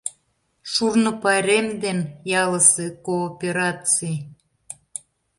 ШУРНО ПАЙРЕМ ДЕН ЯЛЫСЕ КООПЕРАЦИЙ